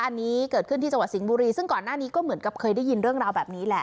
อันนี้เกิดขึ้นที่จังหวัดสิงห์บุรีซึ่งก่อนหน้านี้ก็เหมือนกับเคยได้ยินเรื่องราวแบบนี้แหละ